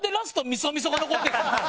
みそみそが残ってる。